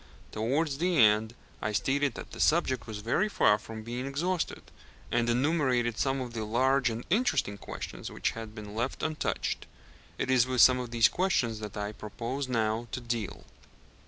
Towards the end I stated that the subject was very far from being exhausted, and enumerated some of the large and interesting questions which had been left untouched. It is with some of these questions that I propose now to deal.